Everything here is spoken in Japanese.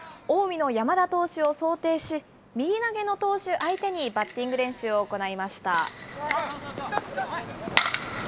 近江の山田投手を想定し、右投げの投手相手にバッティング練習を行いました。